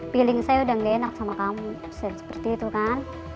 feeling saya udah gak enak sama kamu seperti itu kan